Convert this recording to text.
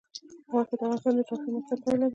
غوښې د افغانستان د جغرافیایي موقیعت پایله ده.